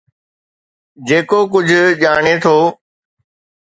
جيڪو ڪجھ ڄاڻي ٿو.